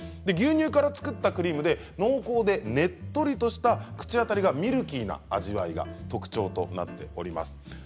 牛乳から作ったクリームで濃厚でねっとりとした口当たりがミルキーな味わいが特徴となっています。